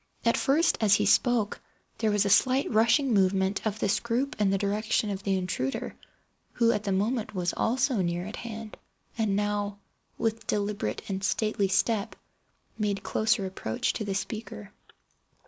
At first, as he spoke, there was a slight rushing movement of this group in the direction of the intruder, who at the moment was also near at hand, and now, with deliberate and stately step, made closer approach to the speaker.